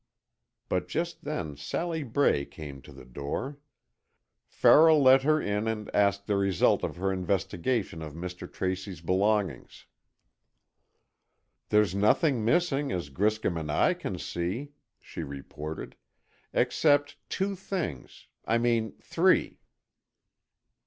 But just then, Sally Bray came to the door. Farrell let her in and asked the result of her investigation of Mr. Tracy's belongings. "There's nothing missing as Griscom and I can see," she reported, "except two things—I mean, three."